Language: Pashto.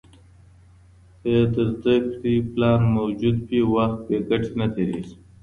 که د زده کړې پلان موجود وي، وخت بې ګټې نه تېرېږي.